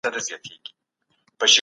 حقوق او واجبات بايد هر څوک زده کړي.